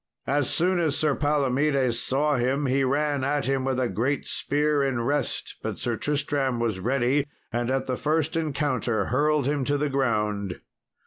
As soon as Sir Palomedes saw him he ran at him with a great spear in rest, but Sir Tristram was ready, and at the first encounter hurled him to the ground.